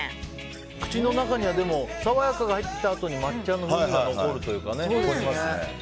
口の中には爽やかが入ってきたあとに抹茶の風味が残るというかね。